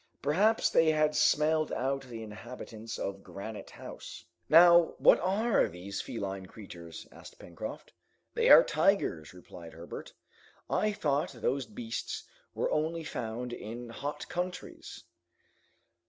Perhaps they had smelled out the inhabitants of Granite House. "Now, what are these feline creatures?" asked Pencroft. "They are tigers," replied Herbert. "I thought those beasts were only found in hot countries?"